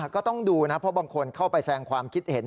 ก็ต้องดูนะเพราะบางคนเข้าไปแสงความคิดเห็น